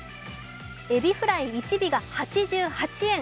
えびフライ１尾が８８円。